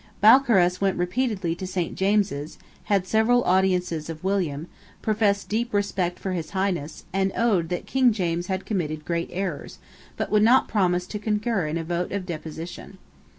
Balcarras went repeatedly to Saint James's, had several audiences of William, professed deep respect for his Highness, and owned that King James had committed great errors, but would not promise to concur in a vote of deposition.